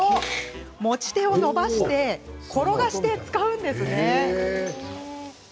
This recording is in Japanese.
持ち手を伸ばして転がして使うんですね。